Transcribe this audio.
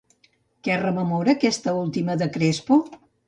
Què rememora aquesta última de Crespo?